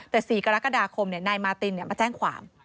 แต่๔กรกฎาคมนายมาตินมาแจ้งความ